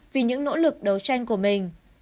vì những nỗ lực đấu tranh của mình